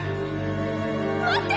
待って！